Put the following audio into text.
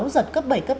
giật cấp bảy cấp tám